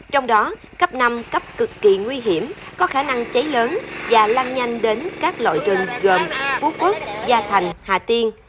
trong đó cấp năm cấp cực kỳ nguy hiểm có khả năng cháy lớn và lan nhanh đến các loại rừng gồm phú quốc gia thành hà tiên